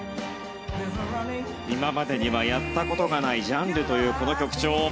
今までにはやったことがないジャンルというこの曲調。